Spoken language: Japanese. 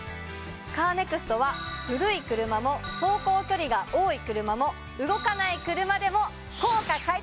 カーネクストは古い車も走行距離が多い車も動かない車でも。